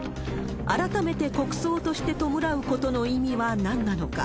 改めて国葬として弔うことの意味はなんなのか。